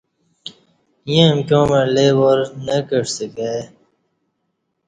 ییں امکیاں مع لئی وار نہ کعسی کائی